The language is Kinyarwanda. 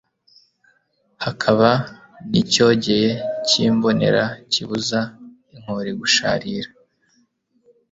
Hakaba n' icyogeye cy' imbonera, Kibuza inkori gusharira !